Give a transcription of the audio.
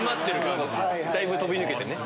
だいぶ飛び抜けてね。